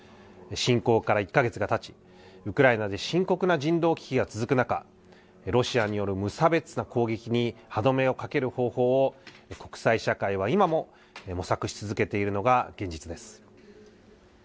侵攻から１か月がたち、ウクライナで深刻な人道危機が続く中、ロシアによる無差別な攻撃に歯止めをかける方法を、国際社会は今も模索し続けているのが現実です。